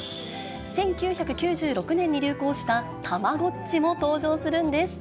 １９９６年に流行したたまごっちも登場するんです。